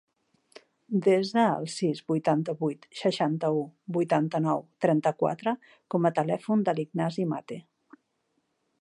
Desa el sis, vuitanta-vuit, seixanta-u, vuitanta-nou, trenta-quatre com a telèfon de l'Ignasi Mate.